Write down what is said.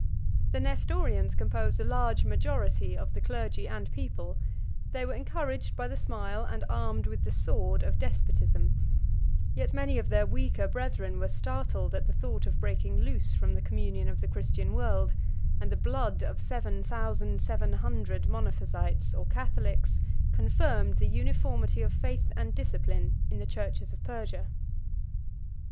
The Nestorians composed a large majority of the clergy and people: they were encouraged by the smile, and armed with the sword, of despotism; yet many of their weaker brethren were startled at the thought of breaking loose from the communion of the Christian world, and the blood of seven thousand seven hundred Monophysites, or Catholics, confirmed the uniformity of faith and discipline in the churches of Persia.